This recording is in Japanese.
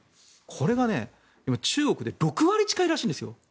これが中国で６割近いらしいんですよ。